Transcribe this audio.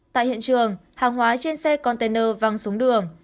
tại hiện trường hàng hóa trên xe container văng xuống đường